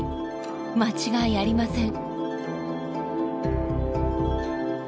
間違いありません。